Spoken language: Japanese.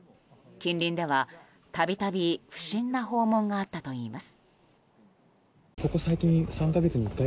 近隣では度々、不審な訪問があったといいます。